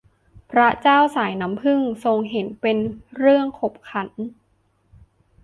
พระเจ้าสายน้ำผึ้ง ทรงเห็นเป็นเรื่องขบขัน